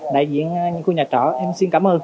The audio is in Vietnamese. đại diện những khu nhà trở em xin cảm ơn